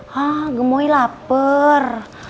hah gemoy lapar